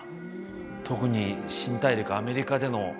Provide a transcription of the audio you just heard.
特に新大陸アメリカでの南北戦争。